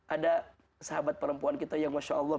ada sahabat perempuan kita yang masya allah